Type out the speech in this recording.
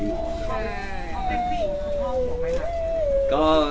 ตอนนี้เข้าหนังไหมล่ะ